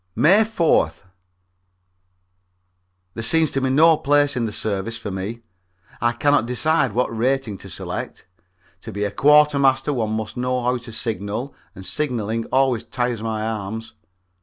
May 4th. There seems to be no place in the service for me; I cannot decide what rating to select. To be a quartermaster one must know how to signal, and signaling always tires my arms.